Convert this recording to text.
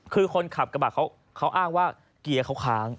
คือคนขับกระบะเขาอ้างว่าเกียร์เขาค้าง